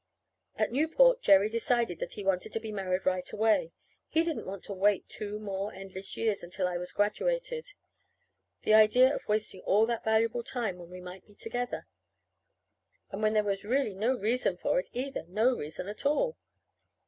At Newport Jerry decided that he wanted to be married right away. He didn't want to wait two more endless years until I was graduated. The idea of wasting all that valuable time when we might be together! And when there was really no reason for it, either no reason at all!